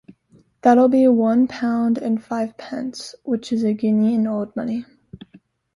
That'll be one pound and five pence, which is a guinea in old money.